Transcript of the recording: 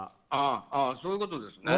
そういうことですね。